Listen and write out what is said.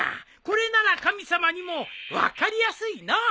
これなら神様にも分かりやすいのう。